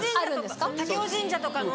武雄神社とかの。